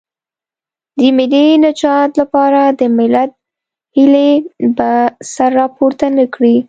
د ملي نجات لپاره د ملت هیلې به سر راپورته نه کړي.